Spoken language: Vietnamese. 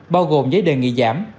bao gồm giấy đề nghị giảm